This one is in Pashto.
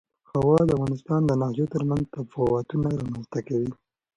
هوا د افغانستان د ناحیو ترمنځ تفاوتونه رامنځ ته کوي.